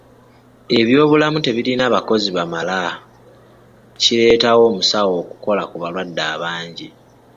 Ebyomulamu tebirina bakozi bamala ekireetawo omusawo okukola ku balwadde abangi.